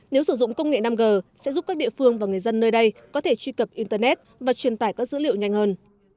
nếu sử dụng công nghệ năm g sẽ giúp các địa phương và người dân nơi đây có thể truy cập internet và truyền tải các dữ liệu nhanh hơn